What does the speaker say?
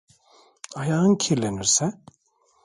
Ayağın kirlenirse.